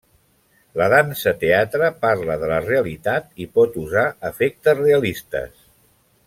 La dansa-teatre parla de la realitat i pot usar efectes realistes.